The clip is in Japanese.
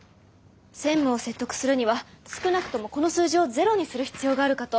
専務を説得するには少なくともこの数字をゼロにする必要があるかと。